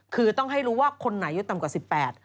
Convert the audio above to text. คือต้องให้รู้ว่าคนไหนยืดต่ำกว่า๑๘